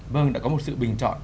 vâng đã có một sự bình chọn